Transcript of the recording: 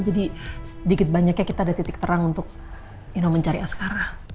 jadi sedikit banyaknya kita ada titik terang untuk mencari askara